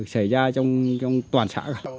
xảy ra trong toàn xã